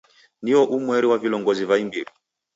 Nio umweri wa vilongozi va imbiri.